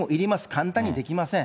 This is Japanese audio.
簡単にできません。